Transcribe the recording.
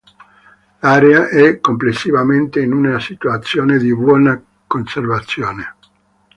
L'area è complessivamente in una situazione di buona conservazione.